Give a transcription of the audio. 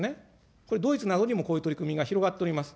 これ、ドイツなどにもこういう取り組みが広がっております。